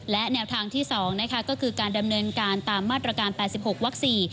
และแนวทางที่๒นะคะก็คือการดำเนินการตามมาตรการ๘๖วัก๔